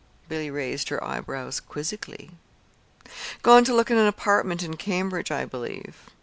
Billy raised her eyebrows quizzically. "Gone to look at an apartment in Cambridge, I believe.